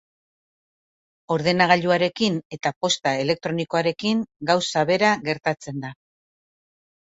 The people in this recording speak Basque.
Ordenagailuarekin eta posta elektronikoarekin gauza bera geratzen da.